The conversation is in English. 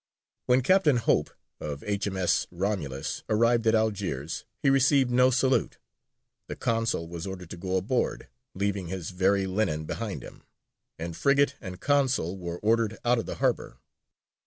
When Captain Hope, of H.M.S. Romulus, arrived at Algiers, he received no salute; the consul was ordered to go aboard, leaving his very linen behind him; and frigate and consul were ordered out of the harbour.